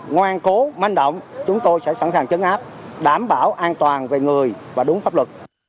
ngoan cố manh động chúng tôi sẽ sẵn sàng chấn áp đảm bảo an toàn về người và đúng pháp luật